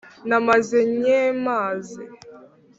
nabanze nyemazi